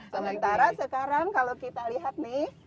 sementara sekarang kalau kita lihat nih